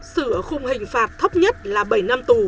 sự ở khung hình phạt thấp nhất là bảy năm tù đến hai mươi năm tù